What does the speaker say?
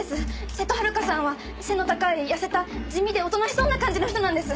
瀬戸はるかさんは背の高い痩せた地味でおとなしそうな感じの人なんです。